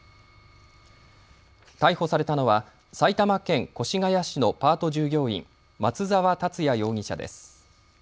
逮捕されたのは埼玉県越谷市のパート従業員、松澤達也容疑者です。